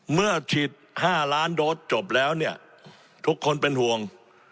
เมื่อฉีด๕ล้านโดสจบแล้วเนี่ยทุกคนเป็นห่วง